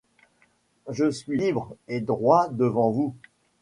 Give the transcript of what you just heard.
Je suis libre et droite devant vous !